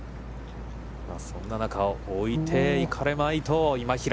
そんな中、置いていかれまいと今平。